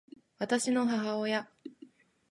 私の母親